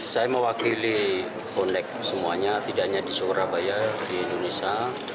saya mewakili bonek semuanya tidak hanya di surabaya di indonesia